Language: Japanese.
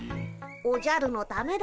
おじゃるのためだよ。